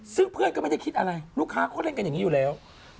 ซึ่งเพื่อนก็ไม่ได้คิดอะไรลูกค้าเขาเล่นกันอย่างนี้อยู่แล้ว